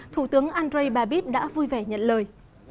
thủ tướng andre babit đã vui vẻ nhận lời